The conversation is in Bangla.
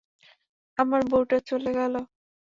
আমার বউটা চলে গেলো।